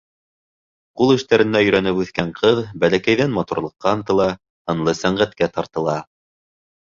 Ҡул эштәренә өйрәнеп үҫкән ҡыҙ бәләкәйҙән матурлыҡҡа ынтыла, һынлы сәнғәткә тартыла.